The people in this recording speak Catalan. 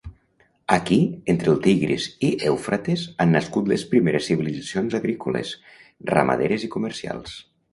Aquí, entre el Tigris i Eufrates, han nascut les primeres civilitzacions agrícoles, ramaderes i comercials.